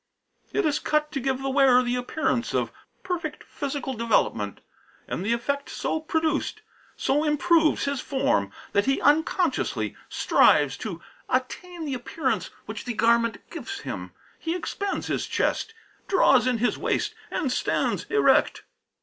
"_It is cut to give the wearer the appearance of perfect physical development. And the effect so produced so improves his form that he unconsciously strives to attain the appearance which the garment gives him; he expands his chest, draws in his waist and stands erect.